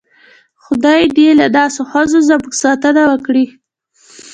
خدای دې له داسې ښځو زموږ ساتنه وکړي.